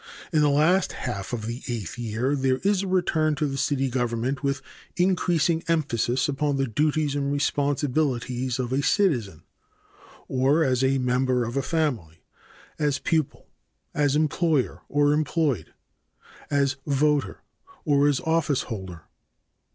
In the last half of the eighth year there is a return to the city government with "increasing emphasis upon the duties and responsibilities of a citizen, or as a member of a family, as pupil, as employer or employed, as voter or as office holder."